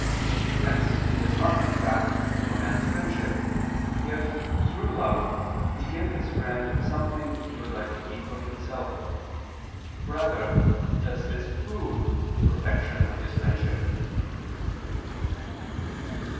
Hence it does not detract from a man's friendship, if, through love, he give his friend something he would like to keep for himself; rather does this prove the perfection of his friendship.